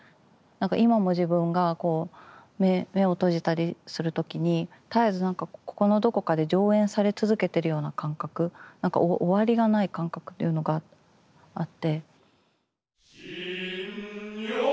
今も自分がこう目を閉じたりする時に絶えずなんかここのどこかで上演され続けてるような感覚なんか終わりがない感覚というのがあって。